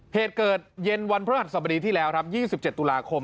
เหตุเกิดเย็นวันพระราชสบดีที่แล้วครับยี่สิบเจ็ดตุลาคม